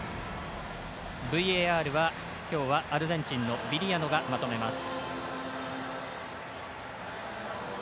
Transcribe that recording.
ＶＡＲは、今日はアルゼンチンのビリアノがまとめます。